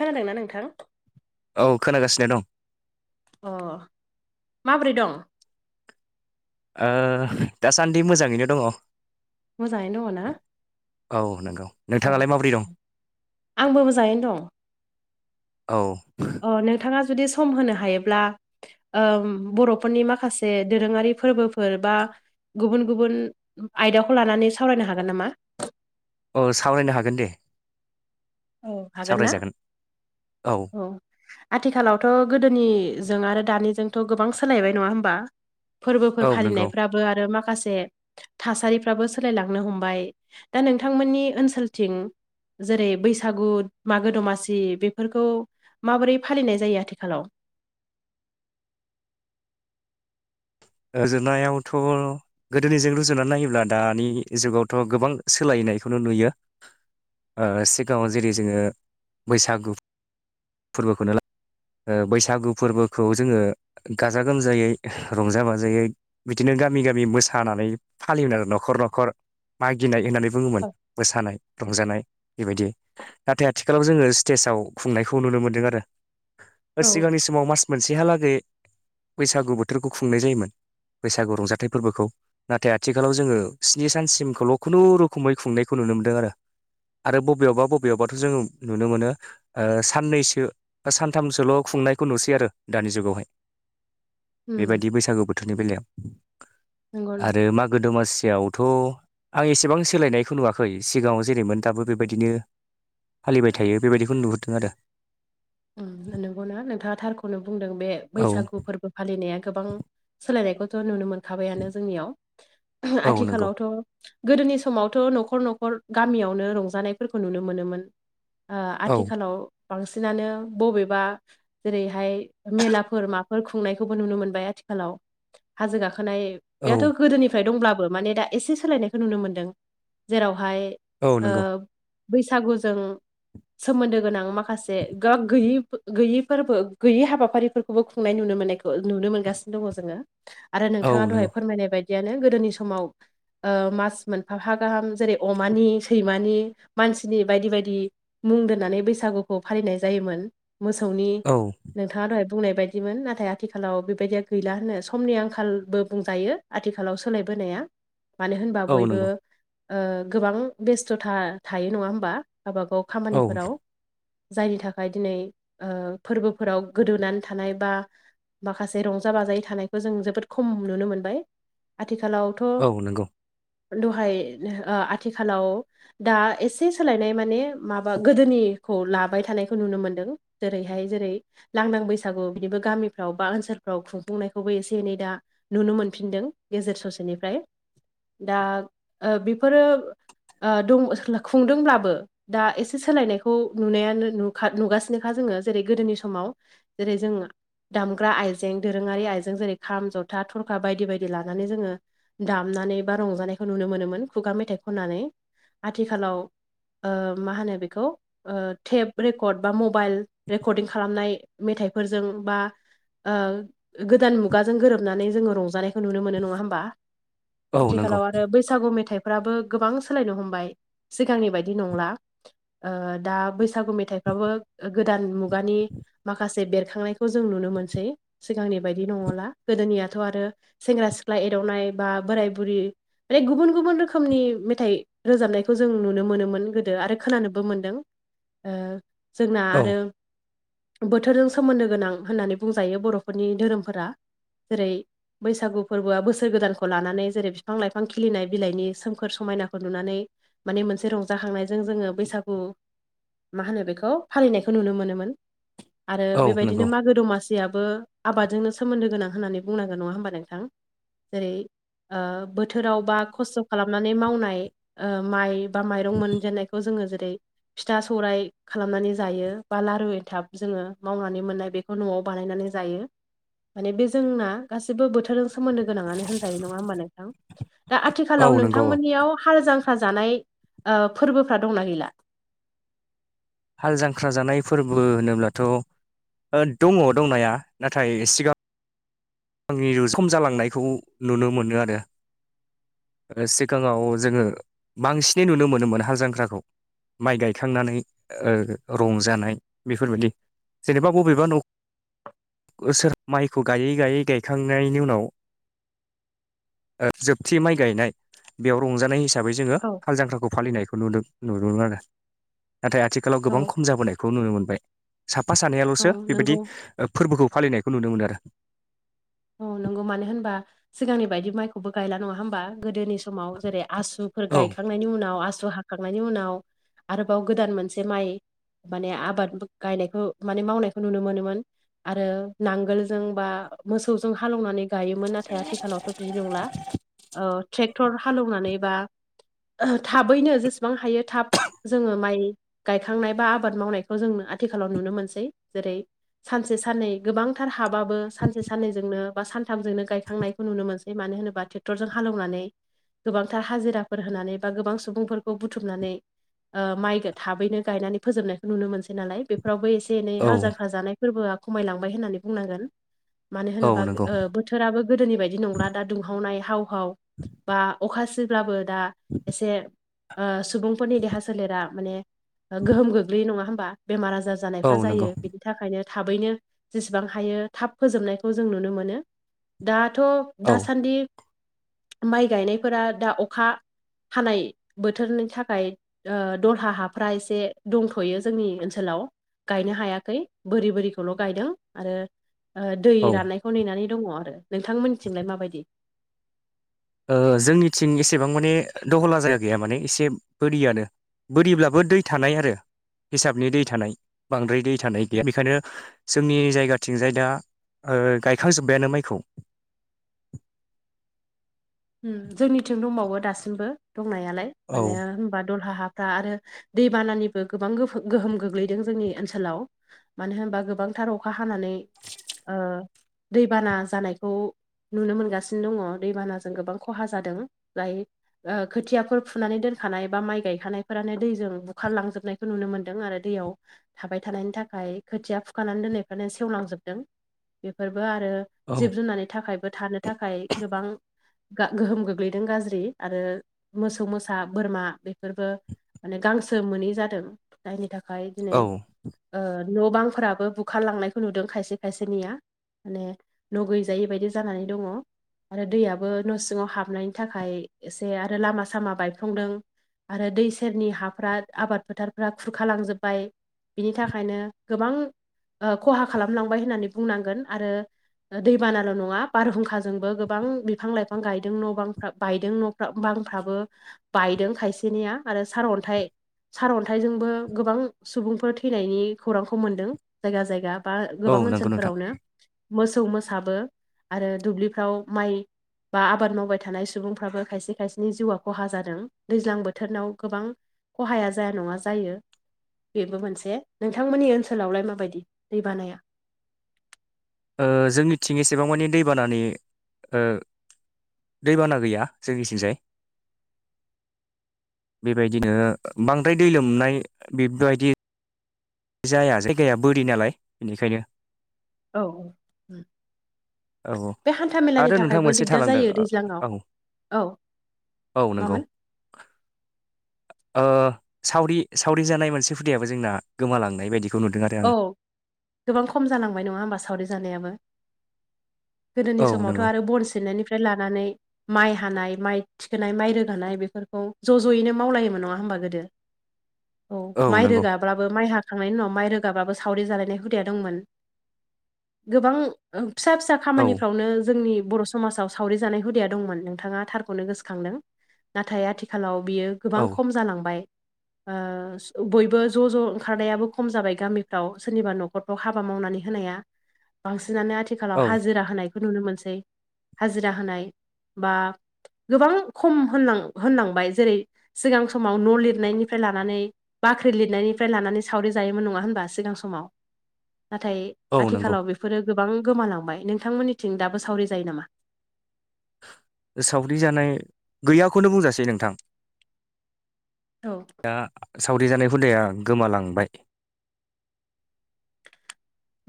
खोनादोंना नोंथां? औ खोनागासिनो दं अ माब्रै दं? ओ दासान्दि मोजाङैनो दङ मोजाङै दङ ना? औ नंगौ औ नोंथाङालाय माब्रै दं? आंबो मोजाङैनो दं औ अ नोंथाङा जुदि सम होनो हायोब्ला ओम बर'फोरनि माखासे दोरोङारि फोरबोफोर बा गुबुन गुबुन आयदाखौ लानानै सावरायनो हागोन नामा? अ सावरायनो हागोन दे औ हागोन ना सावरायजागोन औ आथिखालावथ' गोदोनिजों आरो दानिजोंथ' गोबां सोलायबाय नङा होमबा फोरबोफोर औ नंगौ फालिनायफ्राबो आरो माखासे थासारिफ्राबो सोलायलांनो हमबाय दा नोंथांमोननि ओनसोलथिं जेरै बैसाग बैसागु मागो दमासि बेफोरखौ माबोरै फालिनाय जायो आथिखालाव ओजोननायावथ' गोदोनिजों रुजुनानै नायोब्ला दानि जुगावथ' गोबां सोलायनायखौनो नुयो। ओ सिगाङाव जेरै जोङो बैसागु फोरबोखौनो ला ओ बैसागु फोरबोखौ जोङो गाजा-गोमजायै रंजा-बाजा जों [unintelligible] बिदिनो गामि गामि मोसानानै फालि [unintelligible] आरो न'खर न'खर मागिनाय होननानै बुङोमोन मोसानाय रंजानाय बेबायदि नाथाय आथिखालाव जोङो स्टेजाव खुंनायखौ नुनो मोनदों आरो औ सिगांनि समाव मास मोनसेहालागै बैसागु बोथोरखौ खुंनाय जायोमोन। बैसागु रंजाथाइ फोरबोखौ नाथाय आथिखालाव जोङो स्नि सानसिमखौल' खुनुरुखुमै खुंनायखौ नुनो मोनदों आरो आरो बबेयावबा बबेयावबाथ' जों नुनो मोनो ओ साननैसो बा सानथामसोल' खुंनायखौ नुसै आरो दानि जुगावहाय उम बेबायदि बैसागो बोथोरनि बेलायाव नंगौना आरो मागो दमासियाव थ' आं एसेबां सोलायनायखौ नुवाखै सिगाङाव जेरैमोन दाबो बेबायदिनो फालिबाय थायो बेबायदिखौनो नुहुरदों आरो उम नंगौना नोंथाङा थारखौनो बुंदों बे औ बैसागु फोरबो फालिनाया गोबां सोलायनायखौथ' नुनो मोनखाबायानो जोंनियाव औ नंगौ आथिखालावथ' गोदोनि समावथ' न'खर न'खर गामियावनो रंजानायफोरखौ नुनो मोनोमोन ओ औ आथिखालाव बांसिनानो बबेबा जेरैहाय मेलाफोर माब फोर खुंनायखौबो नुनो मोनबाय आथिखालाव हाजो औ गाखोनायथ' गोदोनि नि दंब्लाबो माने दा एसे सोलायनायखौ नुनो मोनदों जेरावहाय औ ओ नंगौ बैसागुजों सोमोन्दो गोनां माखासे गोब गैयै-गैयैफोरबो गैयै हाबाफारिफोरखौबो खुंनाय नुनो मोननायखौ नुनो मोनगासिनो दङ जोङो। आरो औ नोंथाङा नंगौ दहाय फोरमायनाय बायदियानो गोदोनि समाव ओ मास मोनफा‌ गाहाम जेरै अमानि सैमानि मानसिनि बायदि बायदि। मुं दोननानै बैसागुखौ फालिनाय जायोमोन मोसौनि औ नोंथाङा दहाय बुंनाय बायदिमोन नाथाय आथिखालाव बेबायदिया गैला होनो समनि आंखालबो बुंजायो। आथिखालाव सोलायबोनाया मानो होनबा औ बयबो नंगौ ओ गोबां बेस्थ'था थायो नङा होमबा गावब गाव औ खामानिफोराव जायनि थाखाय दिनै ओ फोरबोफोराव गोदौानै थानाय बा माखासे रंजा बाजायै थानायखौ जों जोबोद खम नुनो मोनबाय आथिखालाव थ' औ नंगौ दहाय ओ आथिखालाव दा एसे सोलायनाय माने माबा गोदोनिखौ लाबाय थानायखौ खौ नुनो मोन्दों जेरैहाय जेरै लांदां बैसागु बिदिबो गामिफ्राव बा ओनसोलफ्राव खुंफुंनायखौबो एसे एनै दा नुनो मोनफिनदों गेजेर ससेनिफ्राय दा बेफोरो ओ दं खुंदोंब्लाबो दा एसे सोलायनायखौ नुनायानो नु नुगासिनोखा जोङो जेरै गोदोनि समाव जेरै जों दामग्रा आइजें दोरोङारि आइजें जेरै खाम जथा थरखा बायदि बायदि लानानै जोङो दामनानै बा रंजानायखौ नुनो मोनोमोन खुगा मेथाइ खननानै आथिखालाव मा होनो बेखौ ओ थेप रेकर्ड बा मबाइल रेकर्डं खालामनाय मेथाइफोरजों बा ओ गोदान मुगाजों गोरोबनानै जोङो रंजानायखौ नुनो मोनो नङा होमबा औ नंगौ आथिखालाव आरो बै बैसागु मेथाइफ्राबो गोबां सोलायनो हमबाय सिगांनि बायदि नंला ओ दा बैसागु मेथाइ फेथाइफ्राबो गोदान मुगानि माखासे बेरखांनाय खौ जों नुनो मोनसै सिगांनि बायदि नङला गोदोनियाथ' आरो सेंग्रा सिख्ला एरवनाय बा बोराय बुरि माने गुबुन गुबुन रोखोमनि मेथाइ रोजाबनायखौ जों नुनो मोनोमोन गोदो आरो खोनानोबो मोनदों जोंना औ आरो बोथोरजों सोमोन्दो गोनां होननानै बुंजायो बर'फोरनि धोरोमफोरा जेरै बैसागु फोरबोआ बोसोर गोदानखौ लानानै जेरै बिफां लाइफां खिलिनाय बिलाइनि सोमखोर समायनाखौ नुनानै माने मोनसे रंजाखांनायजों जोङो बैसागु मा होनो बेखौ फालिनायखौ नुनो मोनोमोन आरो औ नंगौ बेबायदिनो मागो दमास याबो आबादजोंनो सोमोन्दो गोनां होन्नानै बुंनांगोन नङा होमबा नोंथां जेरै ओ बोथोराव बा खस्थ' खालामनानै मावनाय माइ बा माइरं मोनजेननायखौ जोङो जेरै फिथा सौराइ खालामनानै जायो बा लारु एनथाब जोङो मावनानै मोननाय बेखौ न'आव बानायनानै जायो। माने बे जोंना गासिबो बोथोरजों सोमोन्दो गोनाङानो होनजायो नङा होमबा नोंथां दा औ आथिखालाव नंगौ औ नोंथांमोननियाव हाल जांख्रा जानाय फोरबोफ्रा दंना गैला हाल जांख्रा जानाय फोरबो होनोब्लाथ' दङ दंनाया नाथाय सिगांाव आंनि सम जालांनायखौ नुनो मोनो आरो सिगाङाव जोङो बांसिनै नुनो मोनोमोन हाल जांख्राखौ माइ गायखांनानै ओ रंजानाय बेफोरबायदि जेनेबा बबेबा न' सोर माइखौ गायै गायै गायखांनायनि उनाव जोबथि माइ गायनाय बेयाव रंजानाय हिसाबै हिसाबै जोङो औ हाल जांख्राखौ फानायखौ नुदों नुनो मोन आरो नाथाय आथिखालाव औ गोबां खम जाबोनायखौ खौ नुनो मोनबाय साफा औ सानैयाल'सो नंगौ बेबायदि ओ फोरबोखौ फालिनायखौ नुनो मोनो आरो औ नंगौ मानो होनबा सिगांनि बायदि माइखौबो गायला नङा होमबा गोदोनि समाव जेरै आसुफोर औ गायखां खांनायनि उनाव आसु हाखांनायनि उनाव आरोबाव गोदान मोनसे माइ माने आबाद गायनायखौ माने मावनायखौ नुनो मोनोमोन आरो नांगोलजों बा मोसौजों हालौनानै गायोमोन नाथाय आथिखालावथ' बिदिनो जोंला ओ ट्रेक्टर हालेवनानै बा थाबैनो जेसेबां हायो थाब जोङो माइ गायखांनाय बा आबाद मावनायखौ जों आथिखालाव नुनो मोनसै जेरै सानसे साननै गोबांथार हाबाबो सानसे साननैजोंनो बा सानथामजोंनो गायखांनायखौ नुनो मोनसै मानो होनोबा ट्रेक्टरजों हालेवनानै गोबांथार हाजिराफोर होनानै बा गोबां सुबुंफोरखौ बुथुमनानै माइखौ थाबैनो गायनानै फोजोबनायखौ नुनो मोनसै नालाय बेफोरावबो एसे एसे एनै हाल जांख औ जानाय फोरबोआ खमायलांबाय होननानै बुंनांगोन मानो औ होनोबा नंगौ बोथोराबो गोदोनि बायदि नंला दा दुंहावनाय हाव हाव बा अखा सिब्लाबो दा एसे ओ सुबुंफोरनि देहा सोलेरा माने गोहोम गोग्लैयो नङा होमबा बेमार आजार औ जानायफ्रा नंगौ जायो बिदि थाखायनो थाबैनो जेसेबां हायो थाब फोजोबनायखौ जों नुनो मोनो दाथ' औ दासान्दि माइ गायनायफोरा दा अखा हानाय बोथोरनि थाखाय ओ दरहा हाफ्रा एसे दंथ'यो जोंनि ओनसोलाव गायनो हायाखै बोरि बोरिखौल' गायदों आरो ओ दै औ राननायखौ नेनानै दङ आरो नोंथांमोननिथिं लाय माबायदि ओ जोंनिथिं एसेबां माने दहला जायगा गैया माने एसे बोरियानो बोरिब्लाबो दै थानाय आरो हिसाबनि दै थानाय बांद्राय दै थानाय गैया बेखायनो जोंनि जायगाथिंजाय दा ओ गायखांजोब्बायानो माइखौ जोंनिथिं दंबावो दासिमबो दंनायालाय औ माने होनबा दलहा हा रा आरो दैबानानिबो गोबां गोहोम गोग्लैदों जोंनि ओनसोलाव मानो होनबा गोबांथार अखा हानानै ओ दैबाना जानायखौ नुनो मोनगासिनो दङ दैबाना जों गोबां खहा जादों जाय ओ खोथियाफोर फुनानै दोनखानाय बा माइ गायखानायफोरानो दैजों बुखारलांजोबनाय खौ नुनो मोनदों आरो दैयाव थाबाय थानायनि थाखाय खोथिया फुखानानै दोननायफ्रानो सेवलांजोबदों बेफोरबो आरो औ जिब जुनारनि थाखायबो थानो थाखाय गोबां गोहोम गोग्लैदों गाज्रि आरो मोसौ मोसा बोरमा बेफोरबो माने गांसो मोनै जादों जायनि थाखाय दिनै औ ओ न' बांफोराबो बुखारलांनायखौ नुदों खायसे खायसेनिया माने न' गैजायै बायदि जानानै दङ आरो दैया बो न' सिङाव हाबनायनि थाखाय एसे आरो लामा सामा बायफ्लंदों आरो दै सेरनि हाफ्रा आबाद फोथारफ्रा खुरखालांजोबबाय बिनि थाखायनो गोबां खहा खालामलांबाय होननानै बुंनांगोन आरो दैबानाल' नङा बारहुंखाजोंबो गोबां बिफां लाइफां गायदों न' बां बायदों न' बांफ्राबो बायदों खायसेनिया आरो सारअन्थाइ सारअन्थाइजोंबो गोबां सुबुंफोर थैनायनि खौरांखौ मोन्दों जायगा जायगा बा औ गोबां नंगौ नोंथां ओनसोलफोरावनो मोसौ मोसाबो आरो दुब्लिफ्राव माइ बा आबाद मावबाय थानाय सुबुंफ्राबो खायसे खायसेनि जिउआ खहा जादों दैज्लां बोथोरनाव गोबां खहाया जाया नङा जायो बेबो मोनसे नोंथांमोननि ओनसोलावलाय माबायदि दै बानाया ओ जोंनिथिं एसेबां मानि दैबानानि ओ दैबाना गैया जोंनि सिंजाय बेबायदिनो बांद्राय दै लोमनाय बेबायदि जाया जायगाया बोरि नालाय बेनिखायनो औ औ औ औ बे हान्थामेलानि आरो नोंथां थाखायबो मोनसे दिग्दार थालांदों जायो औ दैज्लांआव औ औ नोंगौ मामोन ओ सावरि सावरि जानाय मोनसे हुदायाबो जोंना गोमालांनाय बायदि औ गोबां खम जालांबाय नङा होमबा सावरि जानायाबो गोदोनि औ समावथ' नंगौ आरो बन सेरनायनिफ्राय लानानै माइ हानाय माइ थिखोनाय माइ रोगानाय बेफोरखौ ज' ज'यैनो मावलायोमोन नङा होनबा गोदो औ माइ रोगाब्लाबो माइ हाखांनायनि उनाव माइ रोग गाबाबो सावरि जालायनाय हुदाया दंमोन गोबां फिसा फिसा औ खामानिफ्रावनो जोंनि बर' समाजाव सावरि जानाय हुदाया दंमोन नोंथाङा थारखौनो गोसोखांदों नाथाय आथिखालाव बियो गोबां औ खम जालांबाय ओ बयबो ज' ज' ओंखारनायाबो खम जाबाय गामिफ्राव सोरनिबा न'खरफ्राव हाबा मावनानै होनाया बांसिनानो आथिखालाव औ हाजिरा होनाय फोर नुनो मोनसै हाजिरा होनाय बा गोबां खम होनां होनलांबाय जेरै सिगां समाव न' लिरनायनिफ्राय लानानै बाख्रि लिरनायनिफ्राय लानानै सावरि जायोमोन नङा होन सिगां समाव ना औ नंगौ आथिखालाव बेफोरो गोबां गोमालांबाय नोंथांमोननिथिं दाबो सावरि जायो नामा सावरि जानाय गैयाखौनो बुंजासै नोंथां औ दा सावरि जानाय हुदाया गोमालांबाय।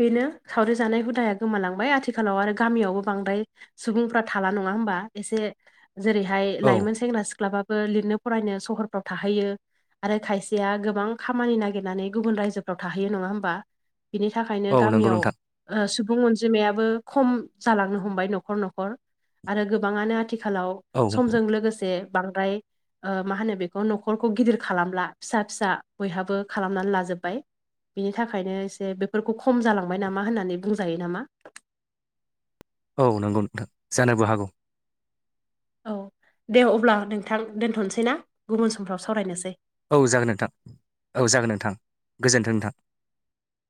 बेनो सावरि जानाय हुदाया गोमालांबाय आथिखालाव आरो गामियावबो बांद्राय सुबुंफोरा थाला नङा होमबा एसे जेरैहाय औ लाइमोन सेंग्रा सिख्लाबाबो लिरनो फरायनो सहरफ्राव थाहैयो। आरो खायसेया गोबां खामानि नागिरनानै गुबुन रायजोफ्राव थाहैयो नङा होमबा। बिनि थाखायनो औ नंगौ गामियाव नोंथां सुबुं अनजिमायाबो खम जालांनो हमबाय न'खर-न'खर। आरो गोबाङानो आथिखालाव औ समजों लोगोसे बांद्राय ओ मा होनो बेखौ न'खरखौ गिदिर खालामब्ला फिसा-फिसा बयहाबो खालामनानै लाजोबबाय। बिनि थाखायनो एसे बेफोरखौ खम जालांबाय नामा होननानै बुंजायो नामा। औ नंगौ नोंथां जानोबो हागौ औ दे अब्ला नोंथां दोनथ'नोसै ना गुबुन समफ्राव सावरायनोसै औ जागोन नोंथां औ जागोन नोंथां गोजोनथों नोंथां